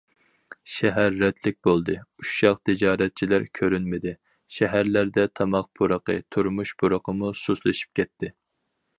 شەھەر رەتلىك بولدى، ئۇششاق تىجارەتچىلەر كۆرۈنمىدى، شەھەرلەردە تاماق پۇرىقى، تۇرمۇش پۇرىقىمۇ سۇسلىشىپ كەتتى.